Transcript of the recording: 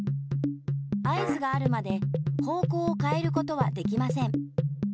合図があるまで方向をかえることはできません。